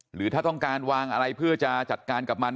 หรือถ้าต้องการวางอะไรเพื่อจะจัดการกับมัน